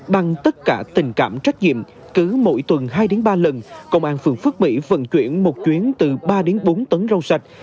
bằng tất cả tình cảm trách nhiệm cứ mỗi tuần hai ba lần công an phường phước mỹ vận chuyển một chuyến từ ba đến bốn tấn rau sạch